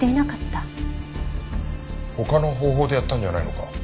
他の方法でやったんじゃないのか。